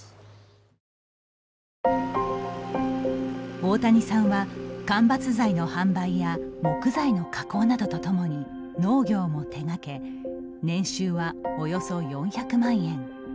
大谷さんは、間伐材の販売や木材の加工などとともに農業も手がけ年収は、およそ４００万円。